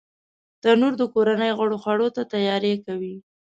تنور د کورنۍ غړو خوړو ته تیاری کوي